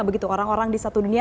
begitu orang orang di satu dunia